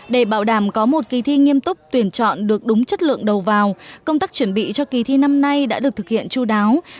để bảo đảm có một kỳ thi nghiêm túc tuyển chọn được đúng chất lượng đầu vào công tác chuẩn bị cho kỳ thi năm nay đã được thực hiện chú đáo cẩn trọng và nghiêm túc